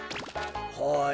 はい。